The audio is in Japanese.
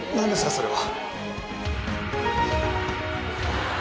それは。